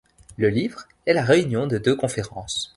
Le livre est la réunion de deux conférences.